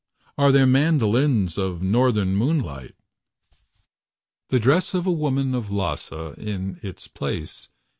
Are there mandolines of Northern moonlight? The dress of a woman of Lhassa, In its place.